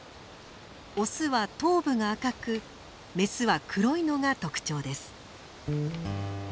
オスは頭部が赤くメスは黒いのが特徴です。